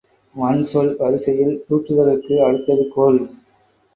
வன்சொல் வரிசையில் தூற்றுதலுக்கு அடுத்தது கோள்.